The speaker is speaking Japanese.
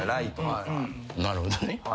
なるほどね。